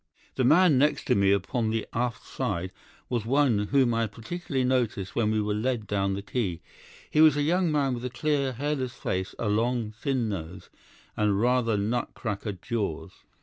The man next to me, upon the aft side, was one whom I had particularly noticed when we were led down the quay. He was a young man with a clear, hairless face, a long, thin nose, and rather nut cracker jaws.